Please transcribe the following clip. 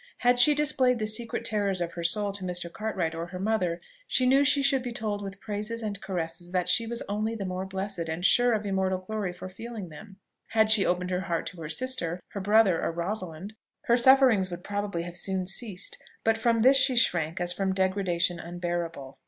Had she displayed the secret terrors of her soul to Mr. Cartwright or her mother, she knew she should be told with praises and caresses that she was only the more blessed and sure of immortal glory for feeling them. Had she opened her heart to her sister, her brother, or Rosalind, her sufferings would probably have soon ceased; but from this she shrank as from degradation unbearable.